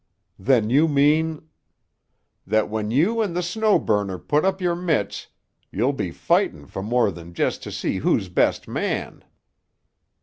"Then you mean——" "That when you and the Snow Burner put up your mitts ye'll be fighting for more than just to see who's best man.